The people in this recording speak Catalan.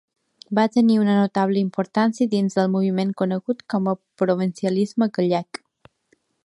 Va tenir una notable importància dins del moviment conegut com a provincialisme gallec.